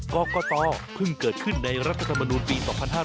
กรกตเพิ่งเกิดขึ้นในรัฐธรรมนูลปี๒๕๕๙